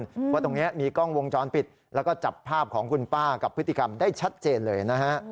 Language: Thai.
เพราะว่าตรงนี้มีกล้องวงจรปิดแล้วก็จับภาพของคุณป้ากับพฤติกรรมได้ชัดเจนเลยนะฮะ